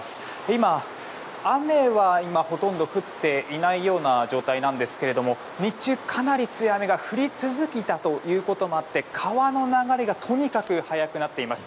今、雨はほとんど降っていないような状態なんですが日中かなり強い雨が降り続いたこともあり川の流れがとにかく速くなっています。